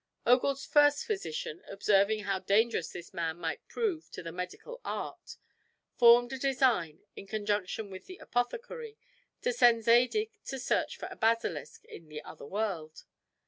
Ogul's first physician, observing how dangerous this man might prove to the medical art, formed a design, in conjunction with the apothecary, to send Zadig to search for a basilisk in the other world.